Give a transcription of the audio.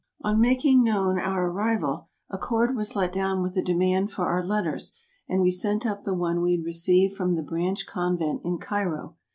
On making known our arrival, a cord was let down with a demand for our letters, and we sent up the one we had received from the branch convent in Cairo.